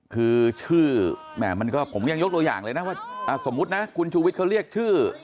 คือชื่อมันก็ผมยังยกตัวอย่างเลยนะว่าสมมุตินะคุณชูวิทย์เขาเรียกชื่อ